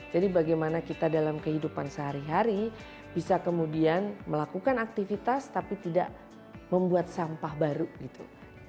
jadi bagaimana kita dalam kehidupan sehari hari bisa kemudian melakukan aktivitas tapi tidak membuat sampah baru gitu